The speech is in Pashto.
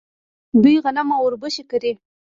دوی غنم او وربشې کري.